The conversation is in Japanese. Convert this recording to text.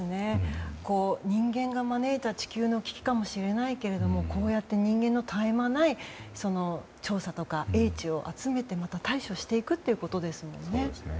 人間が招いた地球の危機かもしれないけどもこうやって人間の絶え間ない調査とか、英知を集めて、また対処していくということですよね。